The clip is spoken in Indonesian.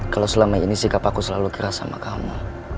kalau selama ini sikap aku selalu keras sama kamu